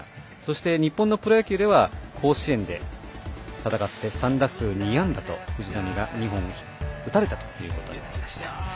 そして日本のプロ野球では甲子園で戦って３打数２安打、ヒットを打たれたということになりました。